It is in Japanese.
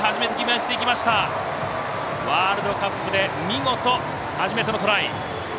ワールドカップで見事、初めてのトライ。